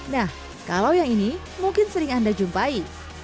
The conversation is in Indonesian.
nah kalau yang ini mungkin sering anda jumpai